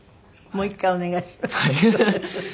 もう１回お願いします。